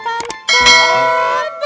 ah boleh gapapa